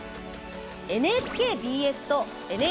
ＮＨＫＢＳとＮＨＫＢＳ